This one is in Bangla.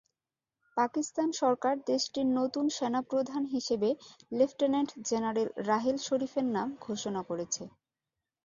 পাকিস্তান সরকার দেশটির নতুন সেনাপ্রধান হিসেবে লেফটেনেন্ট জেনারেল রাহেল শরিফের নাম ঘোষণা করেছে।